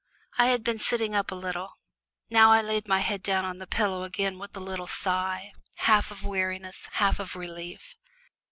I had been sitting up a little now I laid my head down on the pillows again with a little sigh, half of weariness, half of relief.